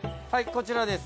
こちらです。